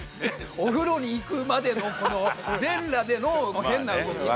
お風呂に行くまでのこの全裸での変な動きとか。